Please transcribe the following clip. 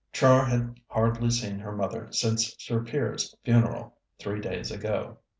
Char had hardly seen her mother since Sir Piers's funeral, three days ago.